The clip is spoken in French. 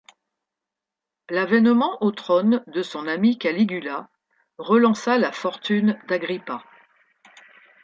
L’avènement au trône de son ami Caligula relança la fortune d’Agrippa.